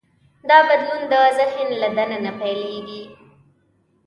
دا بدلون د ذهن له دننه پیلېږي.